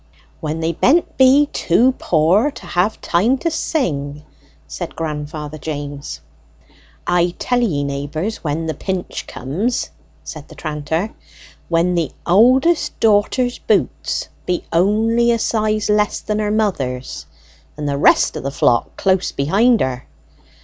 "When they be'n't too poor to have time to sing," said grandfather James. "I tell ye, neighbours, when the pinch comes," said the tranter: "when the oldest daughter's boots be only a size less than her mother's, and the rest o' the flock close behind her.